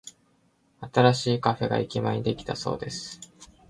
新しいカフェが駅前にできたそうです。